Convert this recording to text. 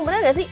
bener gak sih